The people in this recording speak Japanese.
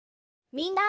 みんな。